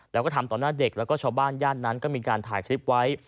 แล้วก็ทำต่อหน้าเด็กแล้วก็ชาวบ้านย่านนั้นก็มีการถ่ายคลิปไว้